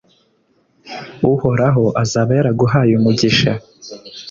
uhoraho azaba yaraguhaye umugisha,